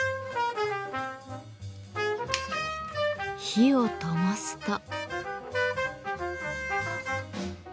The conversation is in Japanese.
火をともすと。